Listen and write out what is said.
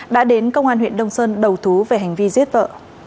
đã đến công an huyện đông sơn đầu thú về hành vi giết vợ